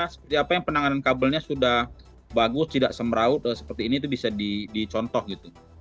seperti apa yang penanganan kabelnya sudah bagus tidak semraut seperti ini itu bisa dicontoh gitu